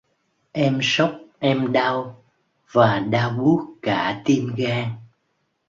em sốc em đau và đau buốt cả tim gan